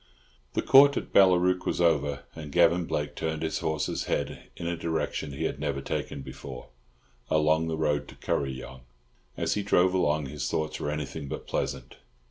The Court at Ballarook was over, and Gavan Blake turned his horses' heads in a direction he had never taken before—along the road to Kuryong. As he drove along, his thoughts were anything but pleasant.